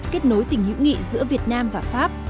kết nối tình hữu nghị giữa việt nam và pháp